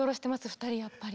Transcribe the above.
２人やっぱり。